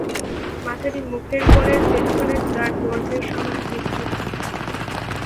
মাথাটি মুখের কোণের পিছনে তার দৈর্ঘ্যের সমান বিস্তৃত।